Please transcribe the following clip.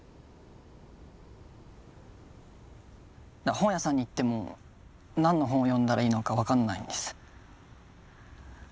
本屋さんに行っても何の本を読んだらいいのか分かんないんです。